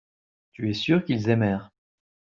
tu es sûr qu'ils aimèrent.